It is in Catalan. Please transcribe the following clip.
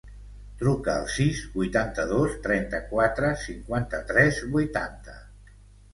Truca al sis, vuitanta-dos, trenta-quatre, cinquanta-tres, vuitanta.